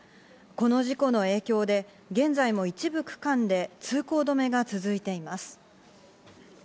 この事故の影響で現在も一部区間で通行止めが続いています。